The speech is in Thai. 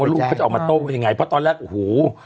ลูกเขาจะออกมาโต้ว่ายังไงเพราะตอนแรกโอ้โห